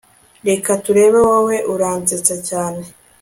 Reka turebe wowe uransetsa cyane